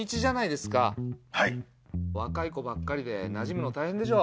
若い子ばっかりでなじむの大変でしょ？